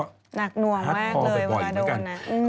นี่ก็หนักหน่วงมากเลยหัดคอแบบบ่อยอยู่ด้วยกันอืม